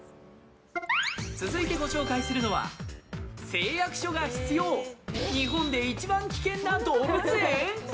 続いてご紹介するのは誓約書が必要日本で一番危険な動物園。